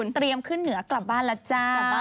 เตรียมขึ้นเหนือกลับบ้านแล้วจ้า